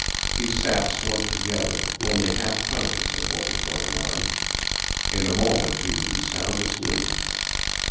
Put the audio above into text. He sat slumped together, only half conscious of what was going on. In a moment he would be sound asleep.